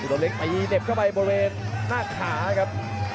พี่โดมเล็กไปเด็บเข้าไปบริเวณหน้าขาครับ